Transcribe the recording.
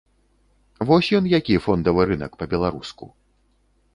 Вось ён які, фондавы рынак па-беларуску.